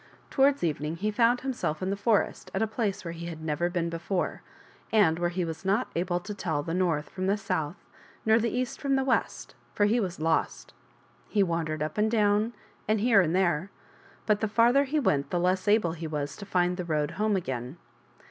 Towards evening he found himself in the forest at a place where he had never been before, and where he was not able to tell the north from the south, nor the east from the west, for he was lost. He wandered up and down and here and there, but the farther he went the less able he was to find the road home again.